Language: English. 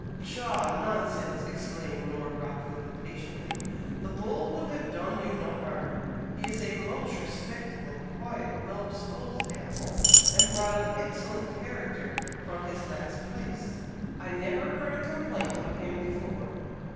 "Pshaw! nonsense!" exclaimed Lord Rockville impatiently. "The bull would have done you no harm! He is a most respectable, quiet, well disposed animal, and brought an excellent character from his last place! I never heard a complaint of him before!"